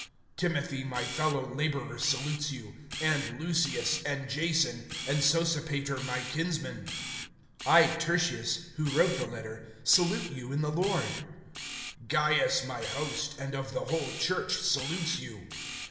(21)Timothy, my fellow laborer, salutes you, and Lucius, and Jason, and Sosipater, my kinsmen. (22)I, Tertius, who wrote the letter, salute you in the Lord. (23)Gaius my host, and of the whole church, salutes you.